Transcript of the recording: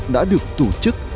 đã được tổ chức